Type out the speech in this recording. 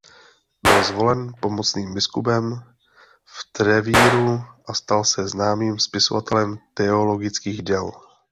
Byl zvolen pomocným biskupem v Trevíru a stal se známým spisovatelem teologických děl.